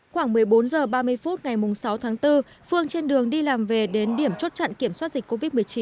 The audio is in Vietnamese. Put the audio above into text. khoảng một mươi bốn h ba mươi phút ngày sáu tháng bốn phương trên đường đi làm về đến điểm chốt chặn kiểm soát dịch covid một mươi chín